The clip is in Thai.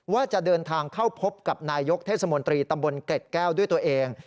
ว่าจะเดินทางเข้าพบกับนายกเทศมนตรีตำบลเกร็ดแก้วด้วยตัวเอง